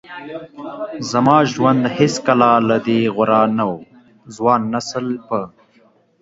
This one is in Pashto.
زما ژوند هیڅکله له دې غوره نه و. ځوان نسل په